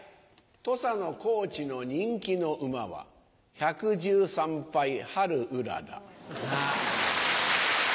土佐の高知の人気の馬は１１３敗ハルウララ。